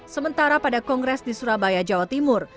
sementara pada kongres di surabaya jawa timur